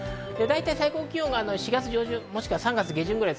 最高気温が４月上旬、もしくは３月下旬ぐらい。